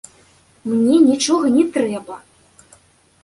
Мне нічога не трэба.